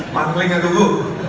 pak kling aku bu